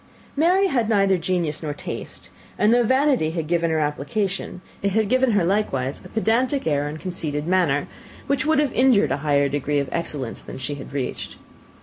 Mary had neither genius nor taste; and though vanity had given her application, it had given her likewise a pedantic air and conceited manner, which would have injured a higher degree of excellence than she had reached.